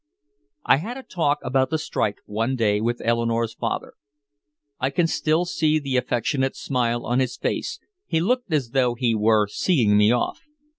I had a talk about the strike one day with Eleanore's father. I can still see the affectionate smile on his face, he looked as though he were seeing me off.